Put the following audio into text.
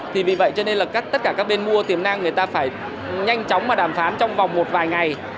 thì vì vậy cho nên là tất cả các bên mua tiềm năng người ta phải nhanh chóng mà đàm phán trong vòng một vài ngày